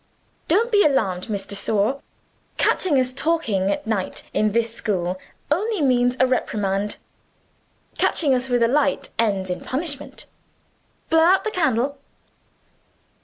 Don't be alarmed, Miss de Sor. Catching us talking at night, in this school, only means a reprimand. Catching us with a light, ends in punishment. Blow out the candle."